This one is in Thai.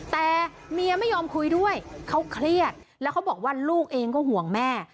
แต่เมียไม่ยอมคุยด้วยเขาเครียดแล้วเขาบอกว่าลูกเองก็ห่วงแม่